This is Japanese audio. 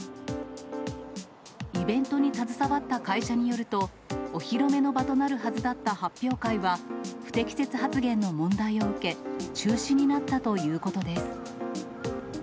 イベントに携わった会社によると、お披露目の場となるはずだった発表会は、不適切発言の問題を受け、中止になったということです。